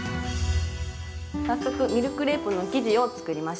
早速ミルクレープの生地を作りましょう。